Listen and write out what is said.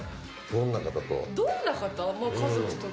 どんな方！？